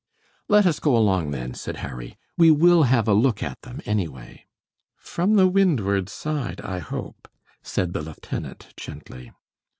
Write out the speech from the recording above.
"Let us go along, then," said Harry. "We will have a look at them, anyway." "From the windward side, I hope," said the lieutenant, gently.